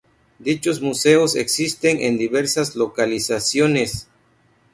Dichos museos existen en diversas localizaciones.